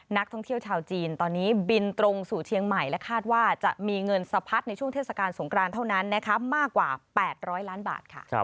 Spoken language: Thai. นักท่องเที่ยวชาวจีนตอนนี้บินตรงสู่เชียงใหม่และคาดว่าจะมีเงินสะพัดในช่วงเทศกาลสงครานเท่านั้นนะคะมากกว่า๘๐๐ล้านบาทค่ะ